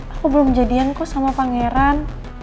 aku belum jadian kok sama pangeran